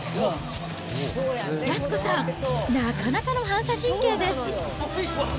安子さん、なかなかの反射神経です。